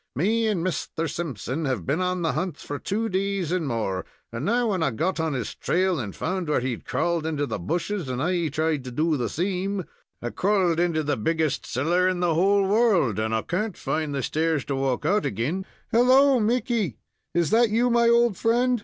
Me and Misther Simpson have been on the hunt for two days and more, and now when I got on his trail, and found where he'd crawled into the bushes, and I tried to do the same, I crawled into the biggest cellar in the whole world, and I can't find the stairs to walk out again " "Helloa, Mickey! Is that you, my old friend?"